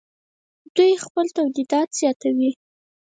دوی خپل تولیدات زیاتوي.